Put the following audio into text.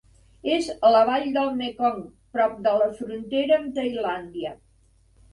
És a la vall del Mekong prop de la frontera amb Tailàndia.